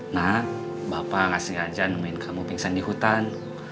nah bapak ngasih ajar nemuin kamu pingsan di hutan